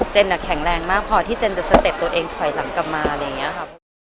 เจนแข็งแหลงมากพอเจนจาสเต็กตัวเองส่วนกันแล้วนะคะ